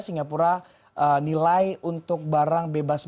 singapura nilai untuk barang bea masuk